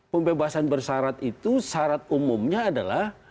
pembebasan bersyarat itu syarat umumnya adalah